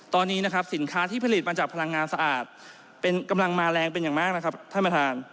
ตอนนี้นะครับสินค้าที่ผลิตมาจากพลังงานสะอาดเป็นกำลังมาแรงเป็นอย่างมากนะครับท่านประธาน